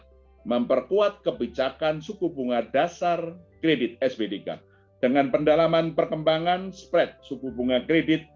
keempat memperkuat kebijakan suku bunga dasar kredit sbdk dengan pendalaman perkembangan spread suku bunga kredit